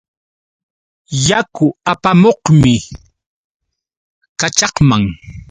Yaku apamuqmi kaćhaqman.